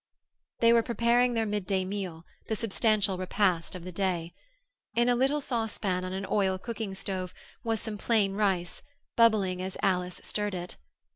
They were preparing their midday meal, the substantial repast of the day. In a little saucepan on an oil cooking stove was some plain rice, bubbling as Alice stirred it.